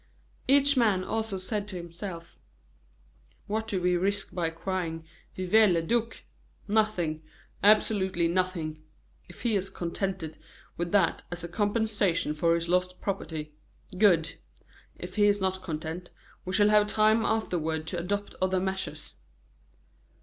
Each man also said to himself: "What do we risk by crying, 'Vive le Duc?' Nothing; absolutely nothing. If he is contented with that as a compensation for his lost property good! If he is not content, we shall have time afterward to adopt other measures."